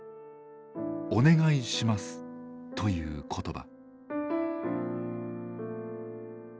「お願いします」という言葉。